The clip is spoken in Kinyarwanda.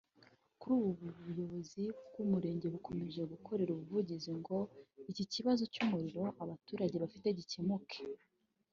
Kuri ubu ubuyobozi bw’umurenge bukomeje gukore ubuvugizi ngo icyo kibazo cy’umuriro abaturage bafite gikemuke